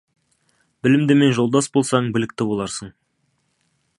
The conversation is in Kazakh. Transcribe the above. Білімдімен жолдас болсаң, білікті боларсың.